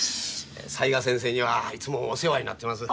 雑賀先生にはいつもお世話になってます。